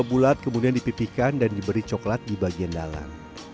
bulat kemudian dipipihkan dan diberi coklat di bagian dalam